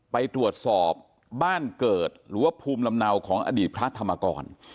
ไปตรวจสอบบ้านเกิดหรือว่าภูมิลำเนาของอดีตพระธรรมกร